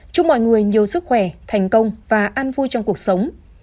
chúc mọi người nhiều sức khỏe thành công và an vui trong cuộc sống